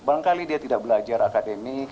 barangkali dia tidak belajar akademik